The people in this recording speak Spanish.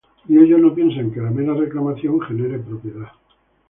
Y ellos no piensan que la mera reclamación genere propiedad.